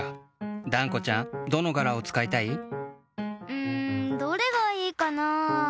うんどれがいいかな。